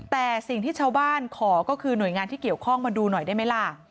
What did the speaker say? แต่สิ่งที่ชาวบ้านขอก็คือหน่วยงานที่เกี่ยวข้องมาดูหน่อยได้ไหมล่ะ